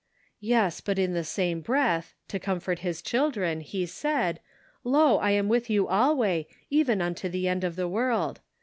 "Yes, but in the same breath, to comfort his children, he said: 'Lo, I am with you 224 The Pocket Measure. ^ even unto the end of the world.